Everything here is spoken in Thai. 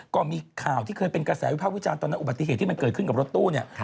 ก็มีข่าวที่เคยเป็นกระแสวิภาพวิจารณ์ตอนนั้นอุบัติเหตุที่มันเกิดขึ้นกับรถตู้เนี่ย